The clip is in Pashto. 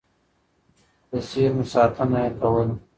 د زېرمو ساتنه يې کوله.